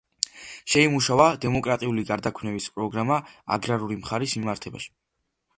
შეიმუშავა დემოკრატიული გარდაქმნების პროგრამა აგრარული მხარის მიმართებაში.